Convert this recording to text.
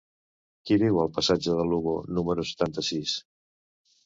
Qui viu al passatge de Lugo número setanta-sis?